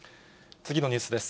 次のニュースです。